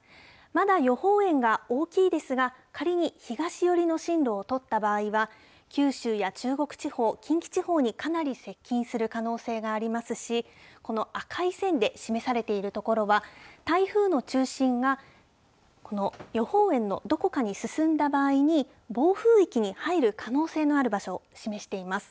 まだ予報円が大きいですが、仮に東寄りの進路を取った場合は、九州や中国地方、近畿地方にかなり接近する可能性がありますし、この赤い線で示されている所は、台風の中心がこの予報円のどこかに進んだ場合に、暴風域に入る可能性のある場所を示しています。